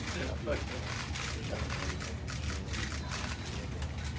สวัสดีครับ